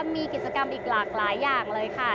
มีกิจกรรมอีกหลากหลายอย่างเลยค่ะ